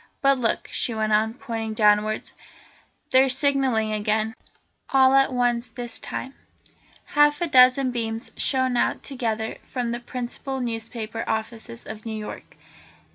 But look," she went on, pointing downwards, "they're signalling again, all at once this time." Half a dozen beams shone out together from the principal newspaper offices of New York.